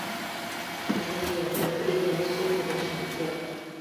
死前也没有一点屈服的神色。